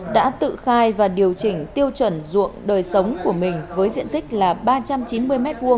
đã tự khai và điều chỉnh tiêu chuẩn ruộng đời sống của mình với diện tích là ba trăm chín mươi m hai